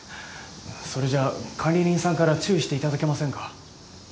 それじゃ管理人さんから注意していただけませんか？